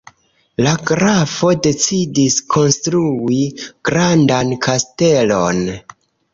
La grafo decidis konstrui grandan kastelon.